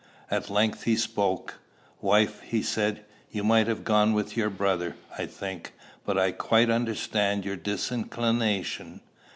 At length he spoke: "Wife," he said, "you might have gone with your brother, I think; but I quite understand your disinclination.